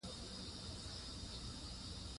رواجي مسلماني مه کوئ.